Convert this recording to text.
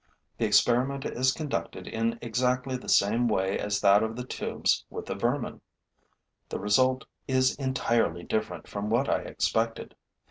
The experiment is conducted in exactly the same way as that of the tubes with the vermin. The result is entirely different from what I expected.